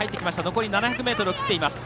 残り７００ｍを切っています。